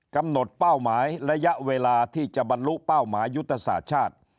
เป้าหมายระยะเวลาที่จะบรรลุเป้าหมายยุทธศาสตร์ชาติ